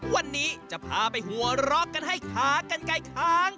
วันนี้จะพาไปหัวเราะกันให้ขากันไกลค้าง